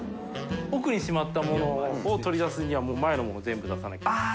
奥にしまったものを取り出すには發α阿諒全部出さなきゃいけない。